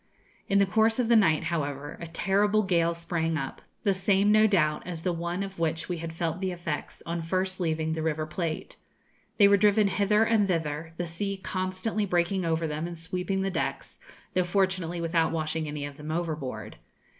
In the course of the night, however, a terrible gale sprang up, the same, no doubt, as the one of which we had felt the effects on first leaving the River Plate. They were driven hither and thither, the sea constantly breaking over them and sweeping the decks, though fortunately without washing any of them overboard.